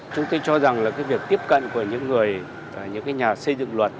chúng tôi cho rằng việc tiếp cận của những nhà xây dựng luật